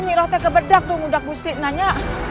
banyak rata kebedak dong udah gue sering nanya